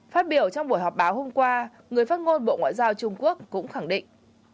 phát biểu trong buổi họp báo hôm qua người phát ngôn bộ ngoại giao trung quốc cũng khẳng định